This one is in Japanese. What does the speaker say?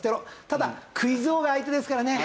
ただクイズ王が相手ですからね。